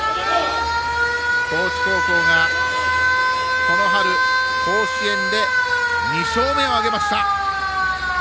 高知高校がこの春、甲子園で２勝目を挙げました。